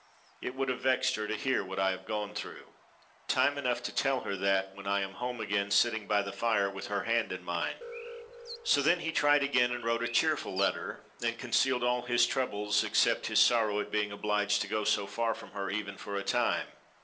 "It would have vexed her to hear what I have gone through. Time enough to tell her that when I am home again sitting by the fire with her hand in mine." So then he tried again and wrote a cheerful letter, and concealed all his troubles except his sorrow at being obliged to go so far from her even for a time.